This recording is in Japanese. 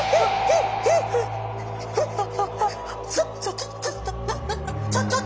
ちょっちょっと。